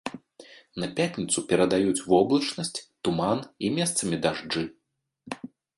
На пятніцу перадаюць воблачнасць, туман і месцамі дажджы.